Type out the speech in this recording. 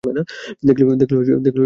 দেখলে, অতোটাও খারাপ না।